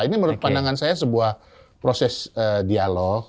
ini menurut pandangan saya sebuah proses dialog